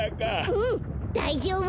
うんだいじょうぶ！